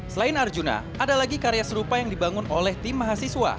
selain arjuna ada lagi karya serupa yang dibangun oleh tim mahasiswa